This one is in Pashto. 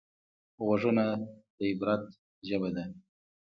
غوږونه د عبرت ژبه ده